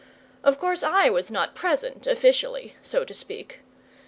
Of course I was not present officially, so to speak.